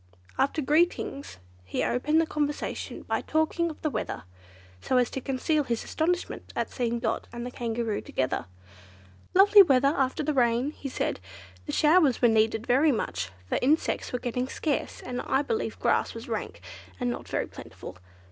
After greetings, he opened the conversation by talking of the weather, so as to conceal his astonishment at seeing Dot and the the Kangaroo together. "Lovely weather after the rain," he said; "the showers were needed very much, for insects were getting scarce, and I believe grass was rank, and not very plentiful.